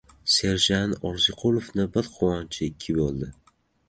Serjant Orziqulovningda bir quvonchi ikki bo‘ldi.